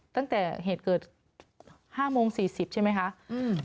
ตั้งแต่เหตุเกิดห้าโมงสี่สิบใช่ไหมคะอืม